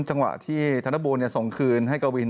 จังหวะที่ธนบูลส่งคืนให้กวิน